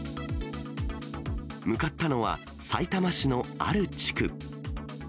向かったのはさいたま市のある地区。